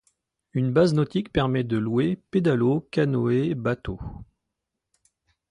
Une base nautique permet de louer pédalos, canoës, bateaux...